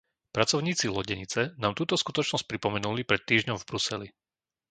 Pracovníci lodenice nám túto skutočnosť pripomenuli pred týždňom v Bruseli.